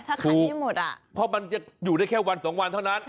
ถ้าขายไม่หมดอ่ะเพราะมันจะอยู่ได้แค่วันสองวันเท่านั้น